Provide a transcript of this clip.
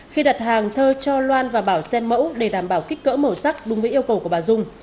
khi đặt hàng thơ cho loan và bảo sen mẫu để đảm bảo kích cỡ màu sắc đúng với yêu cầu của bà dung